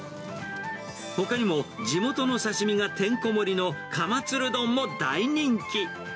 ほかにも、地元の刺身がてんこ盛りの釜つる丼も大人気。